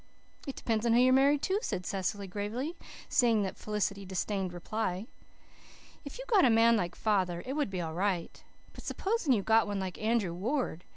"It depends on who you're married to," said Cecily gravely, seeing that Felicity disdained reply. "If you got a man like father it would be all right. But S'POSEN you got one like Andrew Ward?